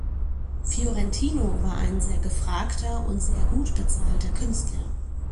Fiorentino war ein sehr gefragter und sehr gut bezahlter Künstler.